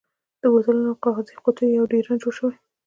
د بوتلونو او کاغذي قوتیو یو ډېران جوړ شوی.